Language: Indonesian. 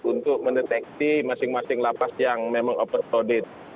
untuk mendeteksi masing masing lapas yang memang overloaded